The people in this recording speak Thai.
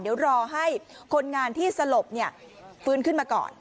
เดี๋ยวรอให้คนงานที่สลบฟื้นขึ้นมาก่อน